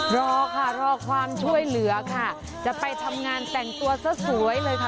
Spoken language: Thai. รอค่ะรอความช่วยเหลือค่ะจะไปทำงานแต่งตัวซะสวยเลยค่ะ